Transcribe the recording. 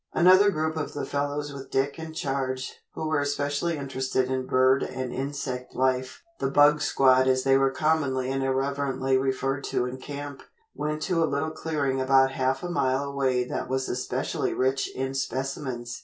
Another group of the fellows with Dick in charge, who were especially interested in bird and insect life the "bug squad" as they were commonly and irreverently referred to in camp went to a little clearing about half a mile away that was especially rich in specimens.